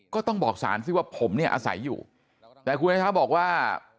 ก็ต้องบอกสารสิว่าผมเนี่ยอาศัยอยู่แต่คุณอาชาบอกว่า